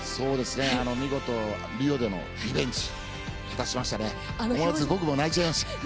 見事リオでのリベンジ果たしましたね。